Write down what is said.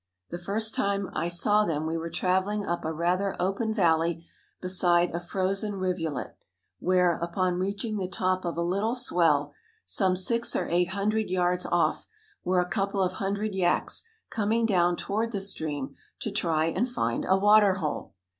The first time I saw them we were traveling up a rather open valley beside a frozen rivulet, where, upon reaching the top of a little swell, some six or eight hundred yards off, were a couple of hundred yaks coming down toward the stream to try and find a water hole.